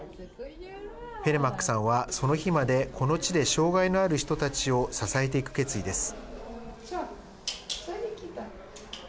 ペレマックさんは、その日までこの地で障害のある人たちを支えていく決意です。